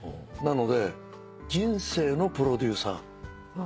なので人生のプロデューサー。